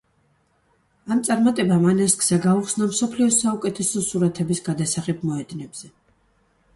ამ წარმატებამ ანას გზა გაუხსნა მსოფლიოს საუკეთესო სურათების გადასაღებ მოედნებზე.